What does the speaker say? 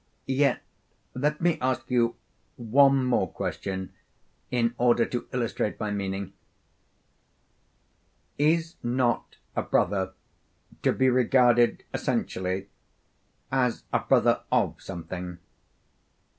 Yet let me ask you one more question in order to illustrate my meaning: Is not a brother to be regarded essentially as a brother of something?